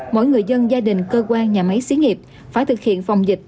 mỗi người dân gia đình cơ quan nhà máy xí nghiệp phải thực hiện phòng dịch